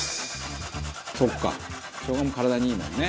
「そっか生姜も体にいいもんね」